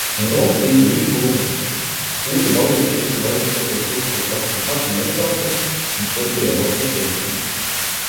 Euroopa Liidu üldkohus otsustas, et puudub alus Eesti vaidlustatud suhkrutrahvi hagi läbivaatamiseks, mistõttu jääb otsus kehtima.